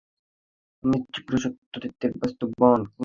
আমি শীঘ্র সত্যত্যাগীদের বাসস্থান তোমাদেরকে দেখাব।